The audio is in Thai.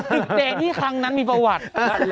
ตึกแดงที่ครั้งนั้นมีประวัติ